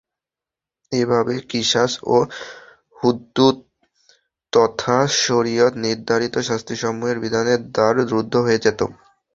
এভাবে কিসাস ও হুদূদ তথা শরীয়ত নির্ধারিত শাস্তিসমূহের বিধানের দ্বার রুদ্ধ হয়ে যেতো।